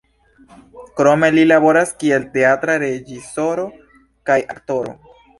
Krome li laboras kiel teatra reĝisoro kaj aktoro.